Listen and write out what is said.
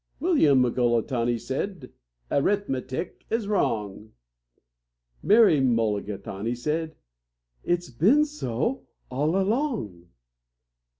William Mulligatawny said, "Arithmetic is wrong." Mary Mulligatawny said, "It's been so all along."